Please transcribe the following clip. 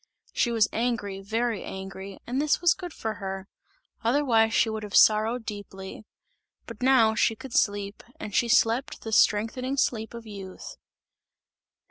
She was angry, very angry, and this was good for her; otherwise she would have sorrowed deeply; but now she could sleep, and she slept the strengthening sleep of youth.